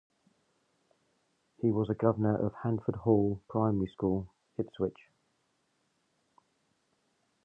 He was a governor of Handford Hall Primary School, Ipswich.